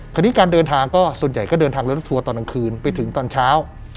คราวนี้การเดินทางก็ส่วนใหญ่ก็เดินทางรถทัวร์ตอนกลางคืนไปถึงตอนเช้า